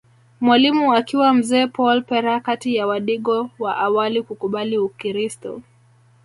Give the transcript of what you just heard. Mwalimu akiwa mzee Paul Pera kati ya wadigo wa awali kukubali Ukiristo